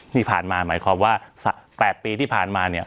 ที่ผ่านมาหมายความว่า๘ปีที่ผ่านมาเนี่ย